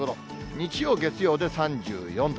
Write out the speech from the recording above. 日曜、月曜で３４度。